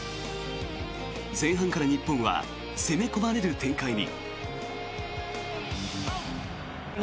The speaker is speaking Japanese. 前半から日本は攻め込まれる展開に。